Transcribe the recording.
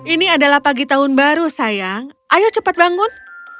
ini adalah pagi tahun baru sayang ayo cepat bangun